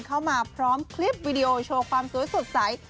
เข้ามาพร้อมคลิปวิดีโอโชว์ความสวยสดใส